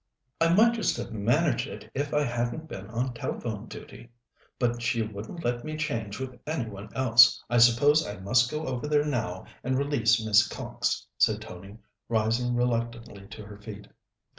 "I might just have managed it if I hadn't been on telephone duty. But she wouldn't let me change with any one else. I suppose I must go over there now and release Miss Cox," said Tony, rising reluctantly to her feet.